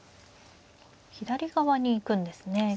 左側に行くんですね